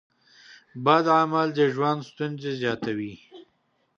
بد عمل د ژوند ستونزې زیاتوي.